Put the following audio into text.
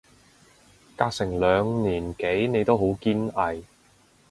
隔成兩年幾你都好堅毅